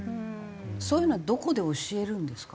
そういうのはどこで教えるんですか？